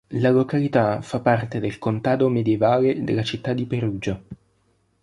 La località fa parte del contado medievale della città di Perugia.